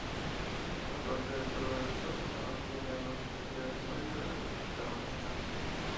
Aparte de todo esto, se mantienen las anteriores habilidades del protagonista.